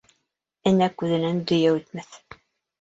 Энә күҙенән дөйә үтмәҫ.